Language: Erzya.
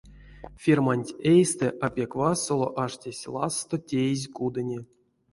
Ферманть эйстэ а пек васоло аштесь лазсто теезь кудыне.